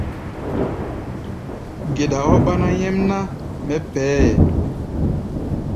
Geɗa ɔ́ ɓáná nyɛmná mɛ́ pɛʼɛ́ɛ.